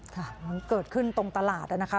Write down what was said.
ค่ะมันเกิดขึ้นตรงตลาดนะคะ